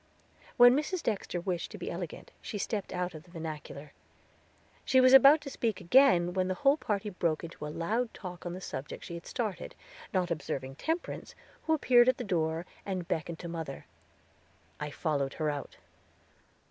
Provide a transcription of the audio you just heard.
When Mrs. Dexter wished to be elegant she stepped out of the vernacular. She was about to speak again when the whole party broke into a loud talk on the subject she had started, not observing Temperance, who appeared at the door, and beckoned to mother. I followed her out.